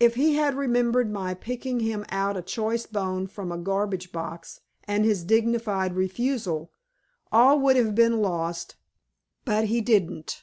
If he had remembered my picking him out a choice bone from a garbage box and his dignified refusal, all would have been lost, but he didn't.